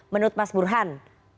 menurut mas burhan